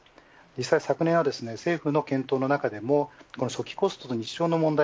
実際、昨年は政府の検討の中でも初期コストと日照の問題。